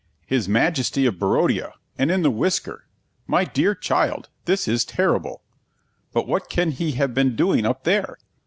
"His Majesty of Barodia! And in the whisker! My dear child, this is terrible! But what can he have been doing up there?